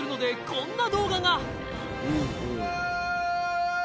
こんな動画が！